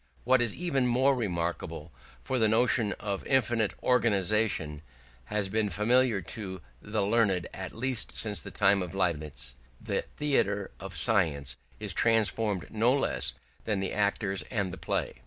What is even more remarkable for the notion of infinite organisation has been familiar to the learned at least since the time of Leibniz the theatre of science is transformed no less than the actors and the play.